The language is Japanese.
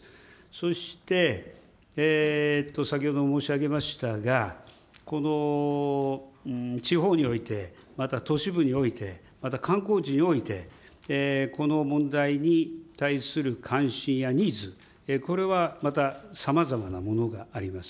そして、先ほども申し上げましたが、地方において、また、都市部において、また観光地において、この問題に対する関心やニーズ、これはまた、さまざまなものがあります。